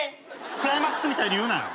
クライマックスみたいに言うなよ。